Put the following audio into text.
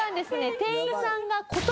店員さんが。